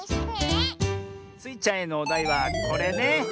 スイちゃんへのおだいはこれね。